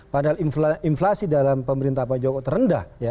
padahal inflasi dalam pemerintah pajawo terendah